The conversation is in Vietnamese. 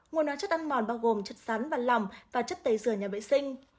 ngộ nón chất ăn mòn bao gồm chất sắn và lòng và chất tẩy dừa nhà vệ sinh